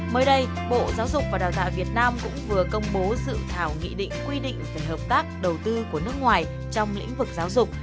mới đây bộ giáo dục và đào tạo việt nam cũng vừa công bố dự thảo nghị định quy định về hợp tác đầu tư của nước ngoài trong lĩnh vực giáo dục